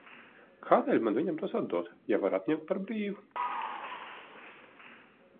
Kāpēc man viņam tos atdot, ja varu atņemt par brīvu?